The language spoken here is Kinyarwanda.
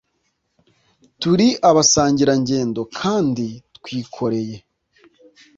Turi abasangirangendo kandi twikoreye